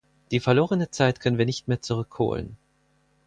Die verlorene Zeit können wir nicht mehr zurückholen.